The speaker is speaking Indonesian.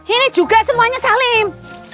ini juga semuanya salim